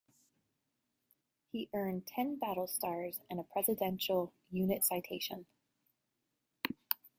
He earned ten battle stars and a Presidential Unit Citation.